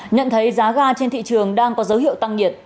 nhận thấy giá ga trên thị trường đang có dấu hiệu tăng nhiệt